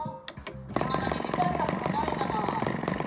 「いまだに次回作もないじゃない」